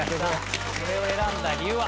これを選んだ理由は？